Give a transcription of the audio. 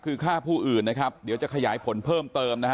คือฆ่าผู้อื่นนะครับเดี๋ยวจะขยายผลเพิ่มเติมนะฮะ